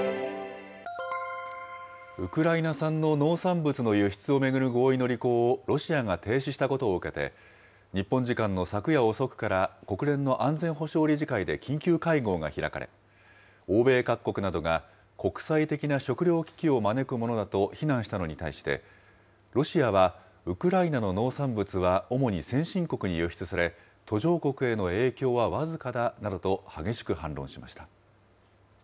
ウクライナ産の農産物の輸出を巡る合意の履行をロシアが停止したことを受けて、日本時間の昨夜遅くから、国連の安全保障理事会で緊急会合が開かれ、欧米各国などが国際的な食料危機を招くものだと非難したのに対して、ロシアはウクライナの農産物は主に先進国に輸出され、途上国への影響は僅かだなどと、激しく反論しました。